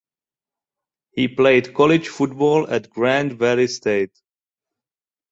He played college football at Grand Valley State.